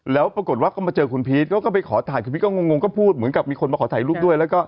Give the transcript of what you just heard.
แล้วปรากฏว่าก็มาเจอคุณพีชเขาก็ไปขอถ่ายคุณพีชก็งงก็พูดเหมือนกับมีคนมาขอถ่ายรูปด้วยแล้วก็